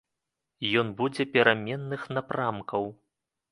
Ён будзе пераменных напрамкаў.